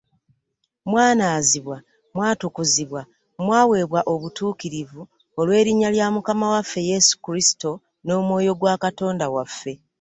Mwanaazibwa, mwatukuzibwa, mwaweebwa obutuukirivu olw'erinnya lya Mukama waffe Yesu Kristo n'Omwoyo gwa Katonda waffe.